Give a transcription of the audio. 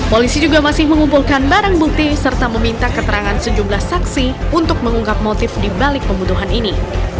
polisi juga masih mengumpulkan barang bukti serta meminta keterangan sejumlah saksi untuk mengungkap motif dibalik pembunuhan ini